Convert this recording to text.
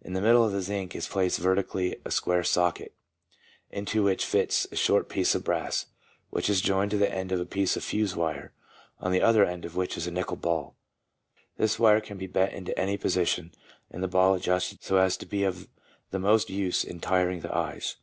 In the middle of the zinc is placed vertically a square socket, into which fits a short piece of brass which is joined to the end of a piece of fuse wire, on the other end of which is a nickel ball. This wire can be bent into any position, and the ball adjusted, so as to be of the most use in tiring the eyes.